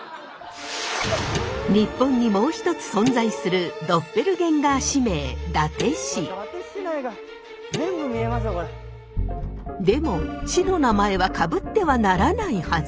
日本にもう一つ存在するでも市の名前はかぶってはならないはず。